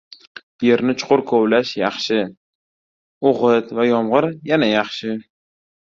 • Yerni chuqur kovlash — yaxshi, o‘g‘it va yomg‘ir — yana yaxshi.